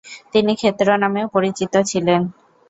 তিনি ক্ষেত্র নামেও পরিচিত ছিলেন।